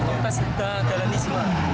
komitas duga dahlan iskan